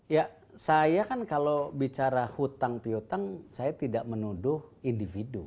ya saya kan kalau bicara hutang pihutang saya tidak menuduh individu